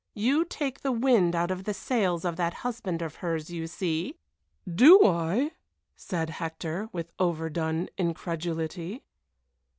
You take the wind out of the sails of that husband of hers, you see!" "Do I?" said Hector, with overdone incredulity.